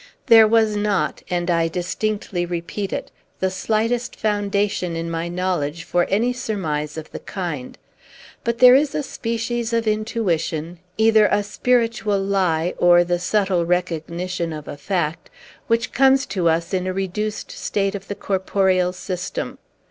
There was not and I distinctly repeat it the slightest foundation in my knowledge for any surmise of the kind. But there is a species of intuition, either a spiritual lie or the subtile recognition of a fact, which comes to us in a reduced state of the corporeal system.